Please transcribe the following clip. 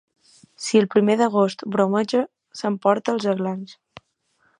Si el primer d'agost bromeja, s'emporta els aglans.